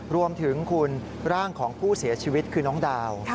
รวมถึงคุณร่างของผู้เสียชีวิตคือน้องดาว